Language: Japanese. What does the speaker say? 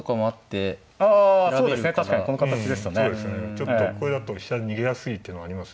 ちょっとこれだと飛車逃げやすいってのはあります。